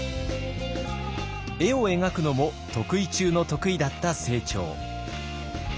絵を描くのも得意中の得意だった清張。